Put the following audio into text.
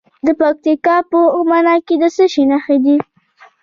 د پکتیکا په اومنه کې د څه شي نښې دي؟